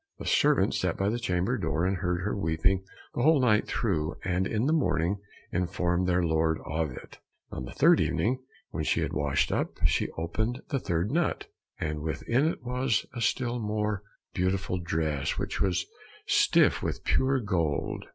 The servants sat by the chamber door and heard her weeping the whole night through, and in the morning informed their lord of it. And on the third evening, when she had washed up, she opened the third nut, and within it was a still more beautiful dress which was stiff with pure gold.